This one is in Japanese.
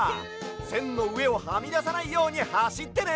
せんのうえをはみださないようにはしってね！